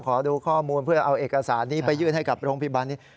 ขอดูข้อมูลเพื่อเอาเอกสารนี้ไปยื่นให้กับโรงพยาบาลนี้